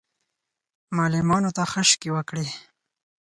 معلمانو ته خشکې وکړې.